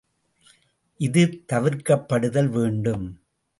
இது தவிர்க்கப்படுதல் வேண்டும்.